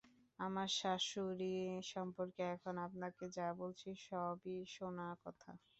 আমার শাশুড়ি সম্পর্কে এখন আপনাকে যা বলছি, সবই শোনা কথা!